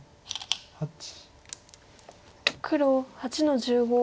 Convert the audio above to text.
黒８の十五。